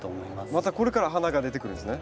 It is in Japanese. またこれから花が出てくるんですね。